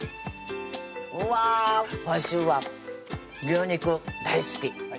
うわぁ今週は「牛肉大好き」